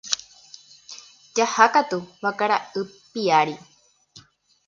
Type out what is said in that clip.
Jahákatu vakara'y piári.